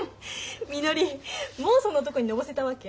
みのりもうその男にのぼせたわけ？